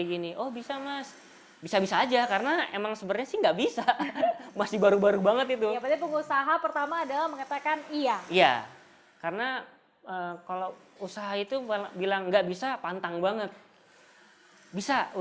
ini juga yang saya ingin kasih tau